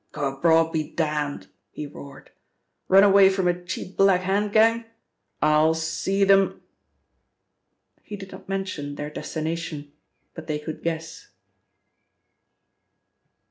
"Go abroad be damned!" he roared. "Run away from a cheap Black Hand gang? I'll see them !" He did not mention their destination, but they could guess.